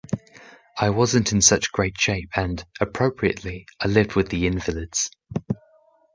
I wasn't in such great shape and, appropriately, I lived with the invalids.